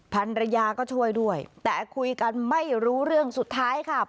ภรรยาก็ช่วยด้วยแต่คุยกันไม่รู้เรื่องสุดท้ายค่ะ